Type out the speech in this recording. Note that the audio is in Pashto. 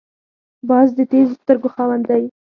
باز د تېزو سترګو خاوند دی